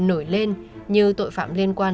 nổi lên như tội phạm liên quan